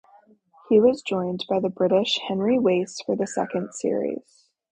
He was joined by the British Henry Wace for the second series.